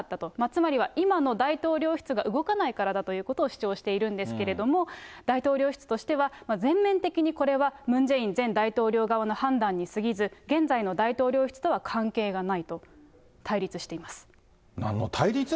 つまりは今の大統領室が動かないからだということを主張しているんですけれども、大統領室としては、全面的にこれはムン・ジェイン前大統領側の判断にすぎず、現在の大統領室とは関係がないと、対立しています。